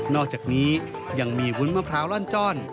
อกจากนี้ยังมีวุ้นมะพร้าวร่อนจ้อน